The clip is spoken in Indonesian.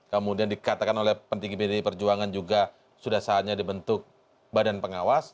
kemudian dikatakan oleh petinggi pdi perjuangan juga sudah saatnya dibentuk badan pengawas